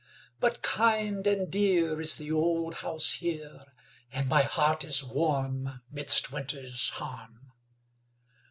But kind and dear Is the old house here And my heart is warm Midst winter's harm.